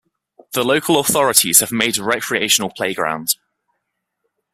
The local authorities have made a recreational playground.